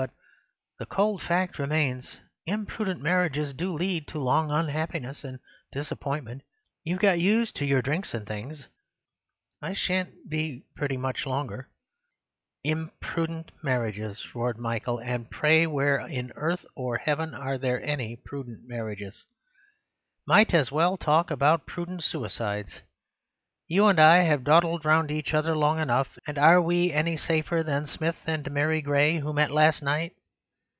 But the cold fact remains: imprudent marriages do lead to long unhappiness and disappointment— you've got used to your drinks and things—I shan't be pretty much longer—" "Imprudent marriages!" roared Michael. "And pray where in earth or heaven are there any prudent marriages? Might as well talk about prudent suicides. You and I have dawdled round each other long enough, and are we any safer than Smith and Mary Gray, who met last night?